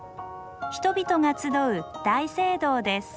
人々が集う大聖堂です。